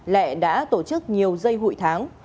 lệ đã tổ chức nhiều dây hụi tháng